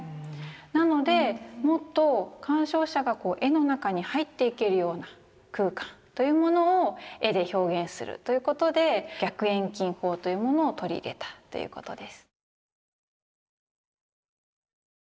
なのでもっと鑑賞者がこう絵の中に入っていけるような空間というものを絵で表現するということで逆遠近法というものを取り入れたということです。